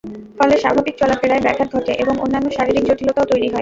ফলে স্বাভাবিক চলাফেরায় ব্যাঘাত ঘটে এবং অন্যান্য শারীরিক জটিলতাও তৈরি হয়।